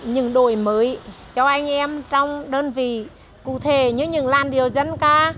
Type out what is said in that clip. những đổi mới cho anh em trong đơn vị cụ thể như những làn điệu dân ca